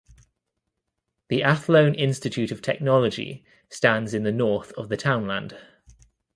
The Athlone Institute of Technology stands in the north of the townland.